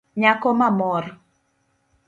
Nyako mamor